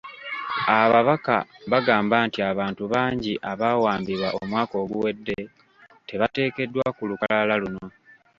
Ababaka bagamba nti abantu bangi abaawambibwa omwaka oguwedde tebateekeddwa ku lukalala luno.